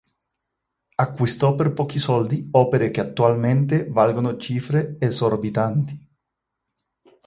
Acquistò per pochi soldi opere che attualmente valgono cifre esorbitanti.